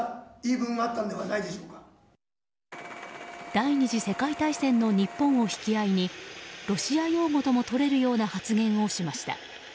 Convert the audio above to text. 第２次世界大戦の日本を引き合いにロシア擁護とも取れるような発言をしました。